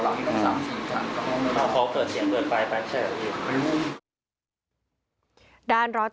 แล้วก็มีรถมันต่อหลัง